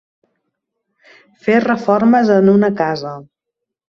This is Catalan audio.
Fer reformes en una casa.